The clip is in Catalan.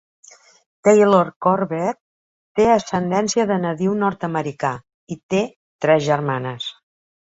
Taylor-Corbett té ascendència de nadiu nord-americà i té tres germanes.